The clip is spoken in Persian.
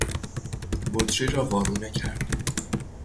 بطری را وارونه کرد.